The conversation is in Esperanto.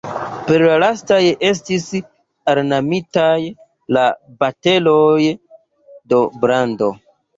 Per la lastaj estis ornamitaj la boteloj de brando.